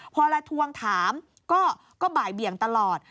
พอละทวงถามก็บ่ายเบี่ยงตลอด